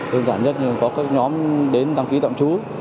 thơn giản nhất là có các nhóm đến đăng ký tạm trú